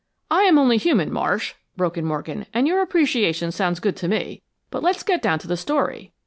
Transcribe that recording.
"I am only human, Marsh," broke in Morgan, "and your appreciation sounds good to me. But let's get down to the story."